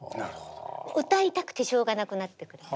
歌いたくてしょうがなくなってる。